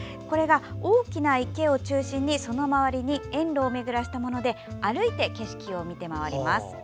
大きな池を中心にその周りに園路を巡らしたもので歩いて景色を見て回ります。